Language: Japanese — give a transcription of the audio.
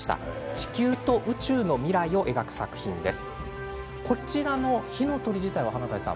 地球と宇宙の未来を描く作品です。